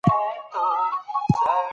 که زه واوړم نو ایا ته به زما ځواب واورې؟